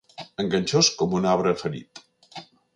Enganxós com un arbre ferit.